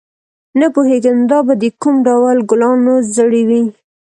نه پوهېږم دا به د کوم ډول ګلانو زړي وي.